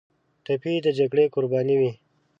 ټپي د جګړې قرباني وي.